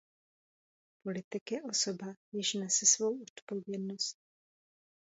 Politik je osoba, jež nese svou odpovědnost.